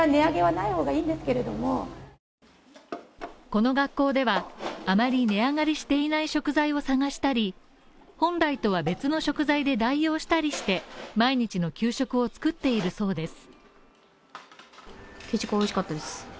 この学校ではあまり値上がりしていない食材を探したり、本来とは別の食材で代用したりして、毎日の給食を作っているそうです。